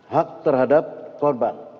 hak terhadap korban